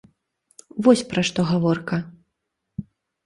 Вось пра што гаворка.